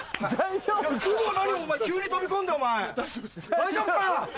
大丈夫か？